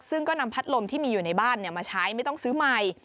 ซึ่งก็นำพัดลมที่มีอยู่ในบ้านมาใช้ไม่ต้องซื้อใหม่